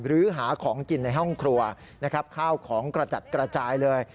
หรือหาของกินในห้องครัวนะครับข้าวของกระจัดกระจายเลย